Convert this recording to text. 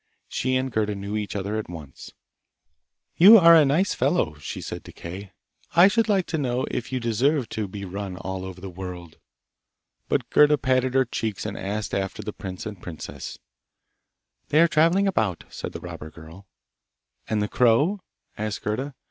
She and Gerda knew each other at once. 'You are a nice fellow!' she said to Kay. 'I should like to know if you deserve to be run all over the world!' But Gerda patted her cheeks and asked after the prince and princess. 'They are travelling about,' said the robber girl. 'And the crow?' asked Gerda.